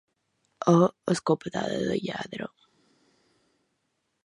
A escopetada de lladre.